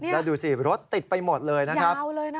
แล้วดูสิรถติดไปหมดเลยนะครับ